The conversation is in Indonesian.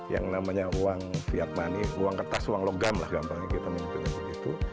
yang namanya uang fiat money uang kertas uang logam lah gampangnya kita menyebutkan begitu